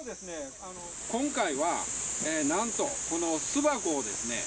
今回は何とこの巣箱をですね